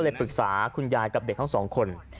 แต่ต่างจากคุณยายกับเด็กทั้งสองคน